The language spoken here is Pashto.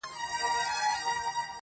هغه ښار هغه مالت دی مېني تشي له سړیو!.